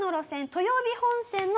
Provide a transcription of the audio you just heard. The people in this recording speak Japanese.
豊美本線の？